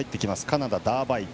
カナダ、ターバイド。